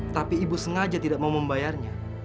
tapi ibu sengaja tidak mau membayarnya